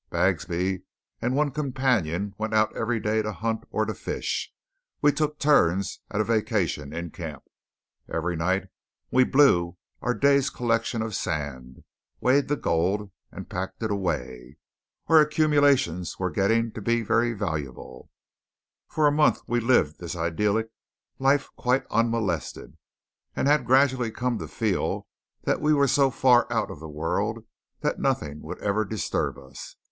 Bagsby and one companion went out every day to hunt or to fish. We took turns at a vacation in camp. Every night we "blew" our day's collection of sand, weighed the gold, and packed it away. Our accumulations were getting to be very valuable. For a month we lived this idyllic life quite unmolested, and had gradually come to feel that we were so far out of the world that nothing would ever disturb us.